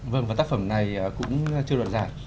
vâng và tác phẩm này cũng chưa đoạt giải